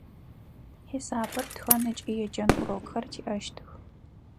Хьисапыр, тхэн ыкӏи еджэн урокхэр тиӏэщтых.